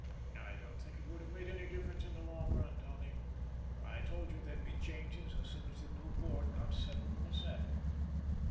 "I don't think it would have made any difference in the long run, Tommy. I told you there'd be changes as soon as the new board got settled in the saddle."